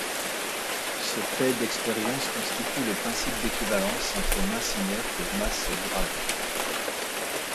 Ce fait d'expérience constitue le principe d'équivalence entre masse inerte et masse grave.